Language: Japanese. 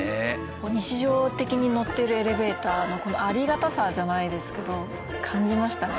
日常的に乗ってるエレベーターのありがたさじゃないですけど感じましたね。